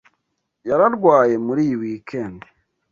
Yararwaye muri iyi weekend.